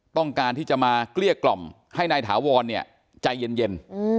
ต้องการที่จะมาเกลี้ยกล่อมให้นายถาวรเนี่ยใจเย็น